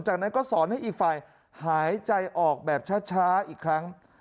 จากนั้นก็สอนให้อีกฝ่ายหายใจออกแบบช้าอีกครั้ง